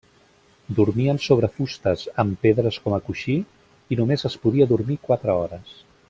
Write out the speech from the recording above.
Dormien sobre fustes amb pedres com a coixí i només es podia dormir quatre hores.